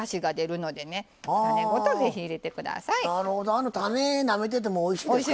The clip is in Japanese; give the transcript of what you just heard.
あの種なめててもおいしいですからね。